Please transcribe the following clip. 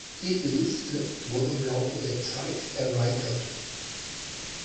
Diese Liste wurde im Laufe der Zeit erweitert.